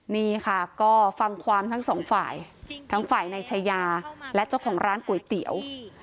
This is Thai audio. นี่ค่ะก็ฟังความทั้งสองฝ่ายทั้งฝ่ายในชายาและเจ้าของร้านก๋วยเตี๋ยว